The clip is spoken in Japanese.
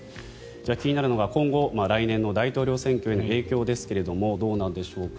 気になるのが今後来年の大統領選挙への影響ですがどうなんでしょうか。